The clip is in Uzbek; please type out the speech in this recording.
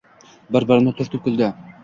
Bir-birini turtib kuldi.